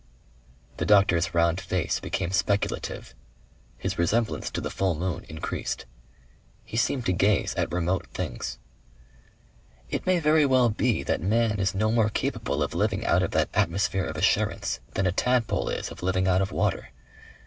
The doctor's round face became speculative. His resemblance to the full moon increased. He seemed to gaze at remote things. "It may very well be that man is no more capable of living out of that atmosphere of assurance than a tadpole is of living out of water.